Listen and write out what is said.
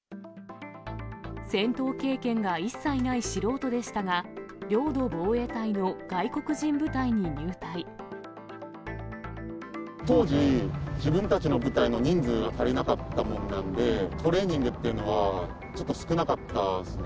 戦闘経験が一切ない素人でしたが、当時、自分たちの部隊の人数が足りなかったものなんで、トレーニングっていうのは、ちょっと少なかったですね。